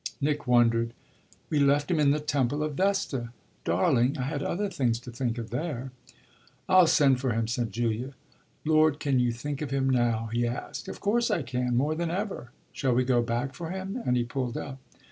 Nick wondered. "We left him in the temple of Vesta. Darling, I had other things to think of there." "I'll send for him," said Julia. "Lord, can you think of him now?" he asked. "Of course I can more than ever." "Shall we go back for him?" and he pulled up.